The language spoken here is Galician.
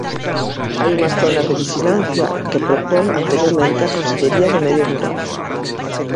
Hai unhas zonas de vixilancia que propón anteriormente a Consellería do Medio Rural.